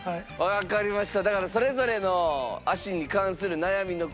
わかりました。